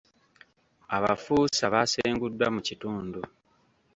Abafuusa baasenguddwa mu kitundu.